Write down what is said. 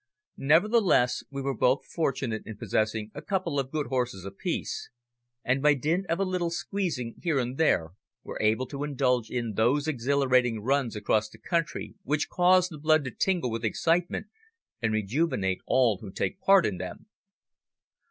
Nevertheless, we were both fortunate in possessing a couple of good horses apiece, and by dint of a little squeezing here and there, were able to indulge in those exhilarating runs across country which cause the blood to tingle with excitement, and rejuvenate all who take part in them.